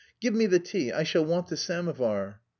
give me the tea.... I shall want the samovar."